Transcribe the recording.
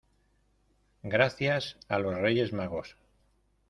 gracias. a los Reyes Magos .